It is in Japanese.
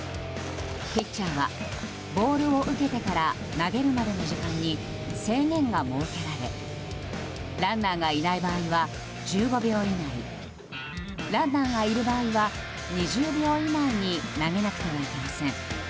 ピッチャーはボールを受けてから投げるまでの時間に制限が設けられランナーがいない場合は１５秒以内ランナーがいる場合は２０秒以内に投げなくてはいけません。